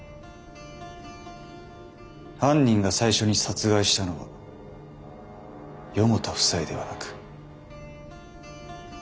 犯人が最初に殺害したのは四方田夫妻ではなく。